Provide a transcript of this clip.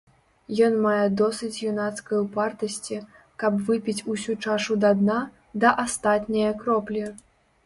Ён мае досыць юнацкай упартасці, каб выпіць усю чашу да дна, да астатняе кроплі!